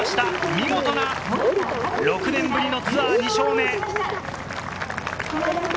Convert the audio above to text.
見事な６年ぶりのツアー２勝目。